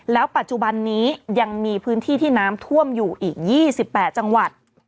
แล้วปัจจุบันนี้ยังมีพื้นที่ที่น้ำท่วมอยู่อีก๒๘จังหวัด